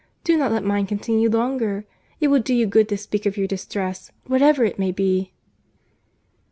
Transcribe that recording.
Do not let mine continue longer. It will do you good to speak of your distress, whatever it may be."